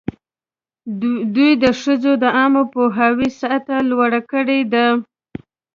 دوی د ښځو د عامه پوهاوي سطحه لوړه کړې ده.